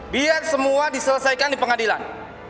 biar semua diselesaikan di pengadilan